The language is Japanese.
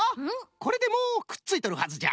これでもうくっついとるはずじゃ。